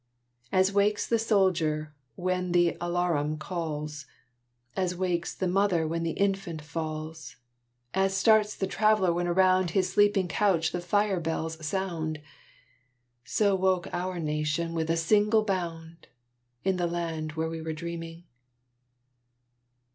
As wakes the soldier when the alarum calls As wakes the mother when the infant falls As starts the traveller when around His sleeping couch the fire bells sound So woke our nation with a single bound, In the land where we were dreaming.